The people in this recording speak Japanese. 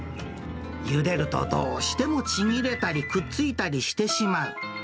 ゆでるとどうしてもちぎれたりくっつりたりしてしまう。